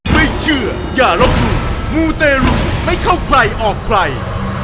ไม่เชื่ออย่าลบหลู่มูเตรุไม่เข้าใครออกใคร